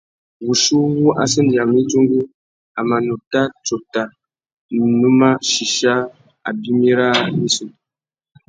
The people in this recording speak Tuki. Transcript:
Wuchí uwú a sendéyamú idjungú, a mà nuta tsôta nu mà chichia abimî râā nà issutu.